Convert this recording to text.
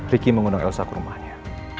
ricky mengundang elsa ke rumahnya